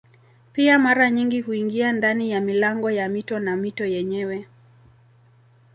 Pia mara nyingi huingia ndani ya milango ya mito na mito yenyewe.